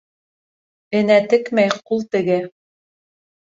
Энә текмәй, ҡул тегә.